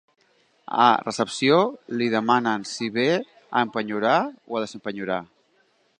A recepció li demanen si ve a empenyorar o a desempenyorar.